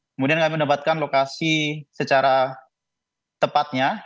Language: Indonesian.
kemudian kami mendapatkan lokasi secara tepatnya